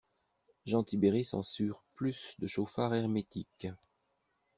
Jean Tibéri censure plus de chauffards hermétiques!